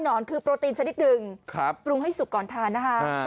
อนคือโปรตีนชนิดหนึ่งปรุงให้สุกก่อนทานนะคะ